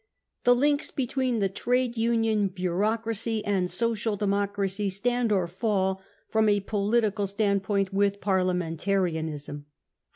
The links between the trade union bureaucracy and Social Democracy stand or fall, from a political stand point, with parliamentarism.